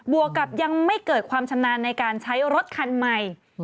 วกกับยังไม่เกิดความชำนาญในการใช้รถคันใหม่